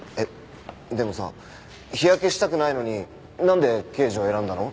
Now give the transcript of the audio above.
でもさ日焼けしたくないのになんで刑事を選んだの？